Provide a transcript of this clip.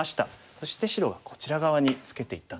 そして白がこちら側にツケていったんですね。